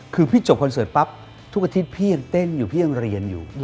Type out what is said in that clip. คือพี่จบคอนเสิร์ตปั๊บทุกอาทิตย์พี่ยังเต้นอยู่พี่ยังเรียนอยู่